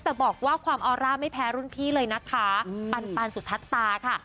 แต่บอกว่าความออร่าไม่แพ้รุ่นพี่เลยนะคะปันสุทัศตาค่ะ